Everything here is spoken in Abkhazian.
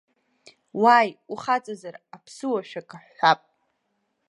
Уааи, ухаҵазар, аԥсыуа ашәак ҳҳәап.